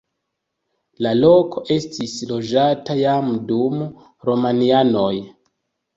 La loko estis loĝata jam dum romianoj.